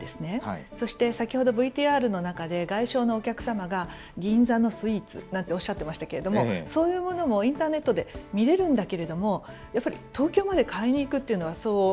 そして先ほどＶＴＲの中で外商のお客様が銀座のスイーツなんておっしゃってましたけれどもそういうものもインターネットで見れるんだけれどもやっぱり東京まで買いに行くというのはそう簡単ではない。